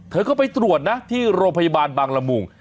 เธอก็ไปตรวจนะที่โรงพยาบาลบางละมุง